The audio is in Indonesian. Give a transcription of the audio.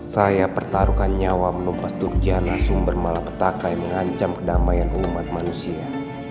saya pertaruhkan nyawa menumpas turjana sumber malapetaka yang mengancam kedamaian umat manusia